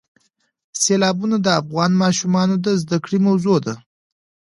سیلابونه د افغان ماشومانو د زده کړې موضوع ده.